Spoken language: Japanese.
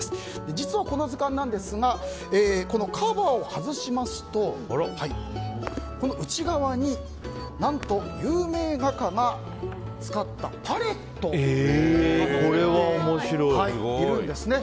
実は、この図鑑なんですがカバーを外しますと内側に、何と有名画家が使ったパレットが載っているんですね。